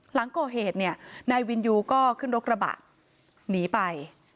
หลังก่อเหตุเนี่ยนายวินยูก็ขึ้นรถกระบะหนีไป